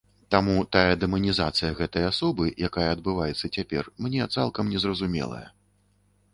Таму тая дэманізацыя гэтай асобы, якая адбываецца цяпер, мне цалкам незразумелая.